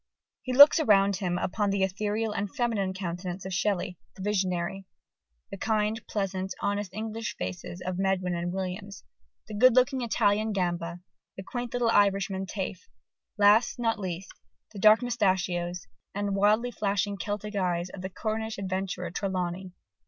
He looks around him upon the ethereal and feminine countenance of Shelley, the visionary, the kind, pleasant, honest English faces of Medwin and Williams, the good looking Italian Gamba, the quaint little Irishman Taafe, last, not least, the dark mustachios and wildly flashing Celtic eyes of the Cornish adventurer Trelawny.